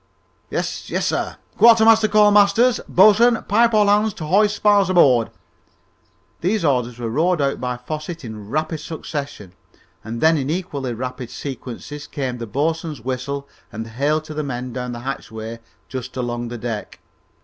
"Yes, yes, sir. Quartermaster, call Masters!" "Bo'sun, pipe all hands to hoist spars aboard!" These orders were roared out by Mr Fosset in rapid succession, and then in equally rapid sequences came the boatswain's whistle and hail to the men down the hatchway just along the deck.